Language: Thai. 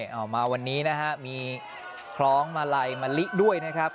เอามาวันนี้นะฮะมีคล้องมาลัยมะลิด้วยนะครับ